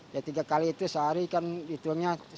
ya tiga kali itu sehari kan hitungannya